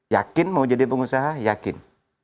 yakin mau jadi pengusaha yakin